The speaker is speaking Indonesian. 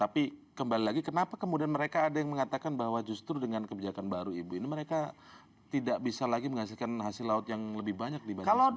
tapi kembali lagi kenapa kemudian mereka ada yang mengatakan bahwa justru dengan kebijakan baru ibu ini mereka tidak bisa lagi menghasilkan hasil laut yang lebih banyak dibanding sebelumnya